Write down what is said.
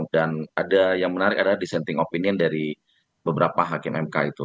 dan yang menarik adalah dissenting opinion dari beberapa hakim mk itu